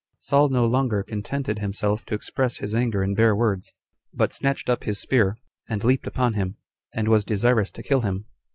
Saul no longer contented himself to express his anger in bare words, but snatched up his spear, and leaped upon him, and was desirous to kill him.